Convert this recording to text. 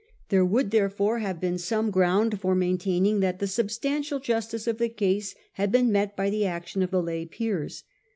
There would, therefore, have been some ground for maintaining that the substantial justice of the case had been met by the action of the lay peers.